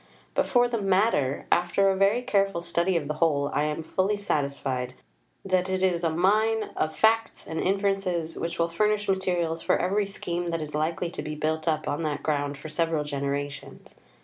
But for the matter: after a very careful study of the whole, I am fully satisfied that it is a mine of facts and inferences which will furnish materials for every scheme that is likely to be built up on that ground for several generations.